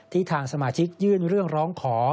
ทางสมาชิกยื่นเรื่องร้องขอ